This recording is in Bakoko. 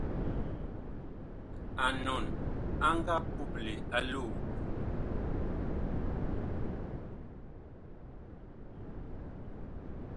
Anɔn ag nga puple a loo.